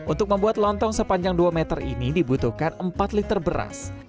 untuk membuat lontong sepanjang dua meter ini dibutuhkan empat liter beras